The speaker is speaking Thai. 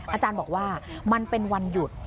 อาจารย์บอกว่ามันเป็นวันหยุด